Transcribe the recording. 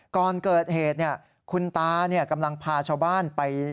ก่อนเกิดเหตุคุณตากำลังพาชาวบ้านไป